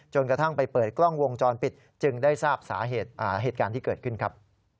กระทั่งไปเปิดกล้องวงจรปิดจึงได้ทราบสาเหตุที่เกิดขึ้นครับ